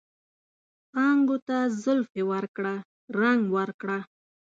څانګو ته زلفې ورکړه ، رنګ ورکړه